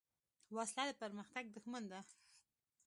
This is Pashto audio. وسله د پرمختګ دښمن ده